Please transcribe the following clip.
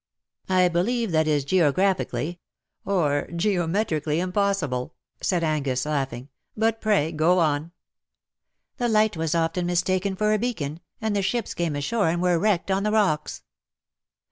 " I believe that is geographically — or gcomctri 108 LOVE ! THOU ART LEADING ME cally impossible," said Angus laughing ;" but pray go on/'' *^^The light ^as often mistaken for a beacon^ and the ships came ashore and were wrecked on the rocks."